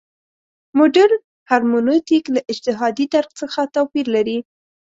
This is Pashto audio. مډرن هرمنوتیک له اجتهادي درک څخه توپیر لري.